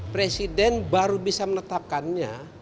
presiden baru bisa menetapkannya